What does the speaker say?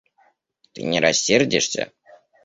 Ты не рассердишься?